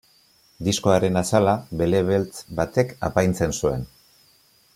Diskoaren azala bele beltz batek apaintzen zuen.